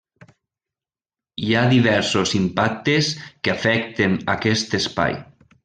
Hi ha diversos impactes que afecten aquest Espai.